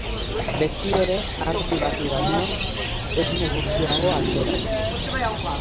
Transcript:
Beti ere ardi bati baino esne gutxiago ateraz.